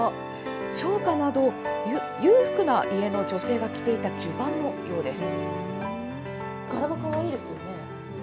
商家など、裕福な家の女性が着ていたじゅばんのようです。